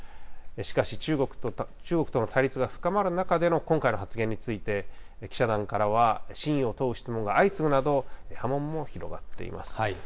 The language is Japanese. しかし、中国との対立が深まる中での今回の発言について、記者団からは真意を問う質問が相次ぐなど、波紋も広がっています。